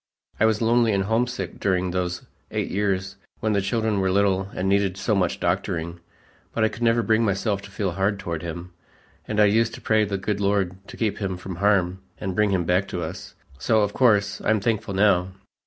I was lonely and homesick during those eight years when the children were little and needed so much doctoring, but I could never bring myself to feel hard toward him, and I used to pray the good Lord to keep him from harm and bring him back to us; so, of course, I'm thankful now."